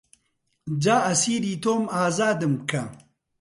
جا ئەسیری تۆم ئازادم کە